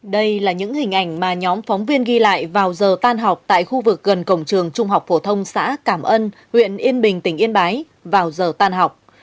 đây là những hình ảnh mà nhóm phóng viên ghi lại vào giờ tan học tại khu vực gần cổng trường trung học phổ thông xã cảm ân huyện yên bình tỉnh yên bái vào giờ tan học